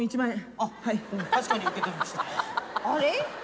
あれ？